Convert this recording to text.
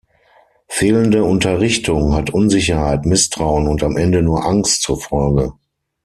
Fehlende Unterrichtung hat Unsicherheit, Misstrauen und am Ende nur Angst zur Folge.